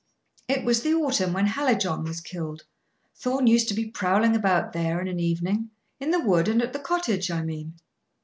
"It was the autumn when Hallijohn was killed. Thorn used to be prowling about there in an evening in the wood and at the cottage, I mean."